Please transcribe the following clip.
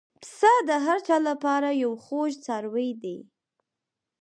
پسه د هر چا له پاره یو خوږ څاروی دی.